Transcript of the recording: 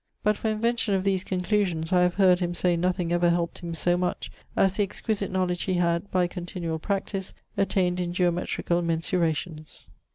But for invention of these conclusions I have heard him say nothing ever helped him so much as the exquisite knowledge he had, by continuall practise, attained in geometricall mensurations.'